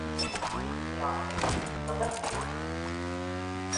اس کی آنکھیں کس قدر تیز تھیں